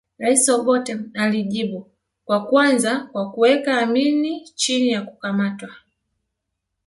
Rais Obote alijibu kwa kwanza kwa kuweka Amin chini ya kukamatwa